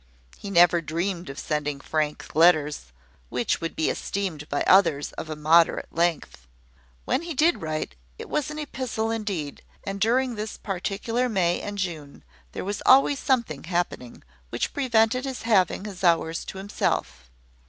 He never dreamed of sending Frank letters, which would be esteemed by others of a moderate length. When he did write, it was an epistle indeed: and during this particular May and June, there was always something happening which prevented his having his hours to himself.